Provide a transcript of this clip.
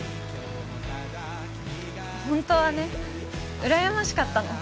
ホントはねうらやましかったの。